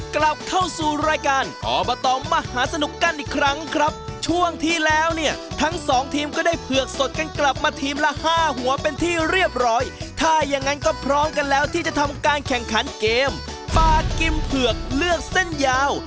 กลับเข้าสู่รายการอบตมหาสนุกกันอีกครั้งครับช่วงที่แล้วเนี่ยทั้งสองทีมก็ได้เผือกสดกันกลับมาทีมละห้าหัวเป็นที่เรียบร้อยถ้าอย่างนั้นก็พร้อมกันแล้วที่จะทำการแข่งขันเกมปากิมเผือกเลือกเส้นยาว